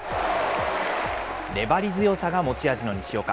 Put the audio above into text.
粘り強さが持ち味の西岡。